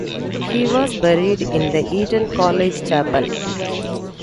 He was buried in the Eton College chapel.